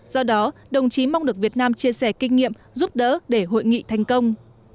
do đó đồng chí mong được việt nam chia sẻ kinh nghiệm giúp đỡ để hội nghị thành công